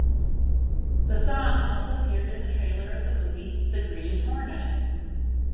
The song also appeared in the trailer of the movie "The Green Hornet".